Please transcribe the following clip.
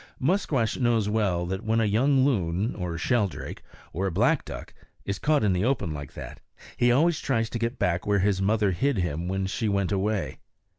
Musquash knows well that when a young loon, or a shelldrake, or a black duck, is caught in the open like that, he always tries to get back where his mother hid him when she went away.